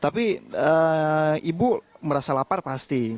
tapi ibu merasa lapar pasti